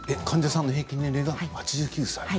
患者さんの平均年齢が８９歳？